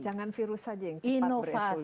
jangan virus saja yang cepat berefeksi